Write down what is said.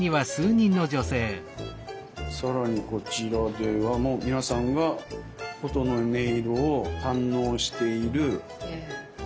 更にこちらではもう皆さんが琴の音色を堪能している。